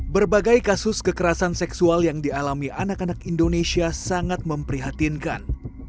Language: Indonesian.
berbagai kasus kekerasan seksual yang dialami anak anak indonesia sangat memprihatinkan